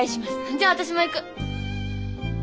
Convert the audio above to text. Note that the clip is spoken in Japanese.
じゃあ私も行く。